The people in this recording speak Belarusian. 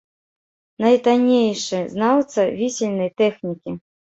Найтаннейшы знаўца вісельнай тэхнікі.